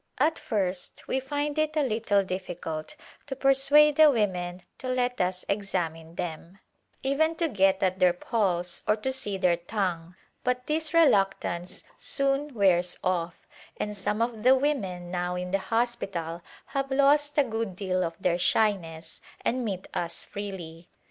At first we find it a little difficult to persuade the women to let us examine them, even to get at their pulse or to see their tongue, but this reluctance soon wears off, and some of the women now in the hospital have lost a good deal of their shyness and meet us freely.